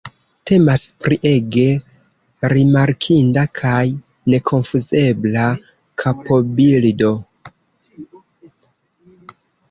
Temas pri ege rimarkinda kaj nekonfuzebla kapobildo.